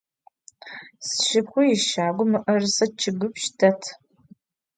Sşşıpxhu yişagu mı'erıse ççıgipş' det.